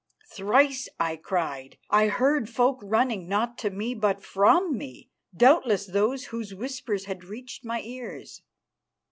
Thrice I cried. I heard folk running, not to me, but from me, doubtless those whose whispers had reached my ears.